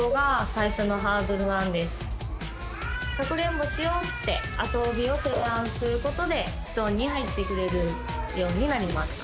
かくれんぼしようってあそびを提案することで布団に入ってくれるようになりました。